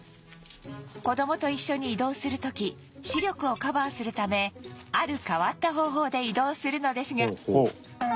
子どもと一緒に移動する時視力をカバーするためある変わった方法で移動するのですが